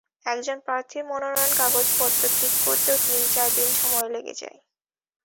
একজন প্রার্থীর মনোনয়নের কাগজপত্র ঠিক করতেও তিন-চার দিন সময় লেগে যায়।